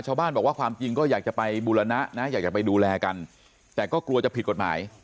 ชาวบ้านบอกว่าความจริงก็อยากจะไปบูรณะนะอยากจะไปดูแลกันแต่ก็กลัวจะผิดกฎหมาย